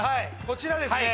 こちらですね